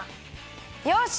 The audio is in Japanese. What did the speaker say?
よし！